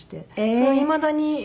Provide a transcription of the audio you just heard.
それいまだに。